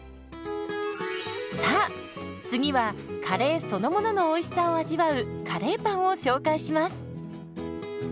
さあ次はカレーそのもののおいしさを味わうカレーパンを紹介します。